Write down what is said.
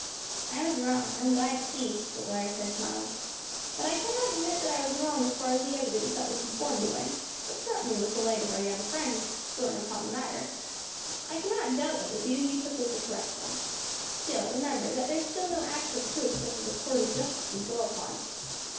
"I was wrong, I am glad to see," the lawyer said, smiling, "but I cannot admit that I was wrong as far as the evidence that was before me went; but certainly with the light our young friend has thrown upon the matter I cannot doubt that the view you took was the correct one. Still, remember there is still no actual proof such as a court of justice would go upon.